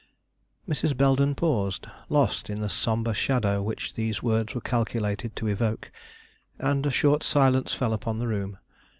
Mrs. Belden paused, lost in the sombre shadow which these words were calculated to evoke, and a short silence fell upon the room.